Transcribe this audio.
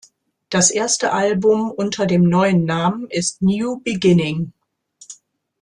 Das erste Album unter dem neuen Namen ist "New Beginning".